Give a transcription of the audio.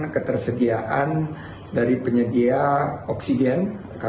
kementerian pariwisata dan ekonomi kreatif telah mengetahui bahwa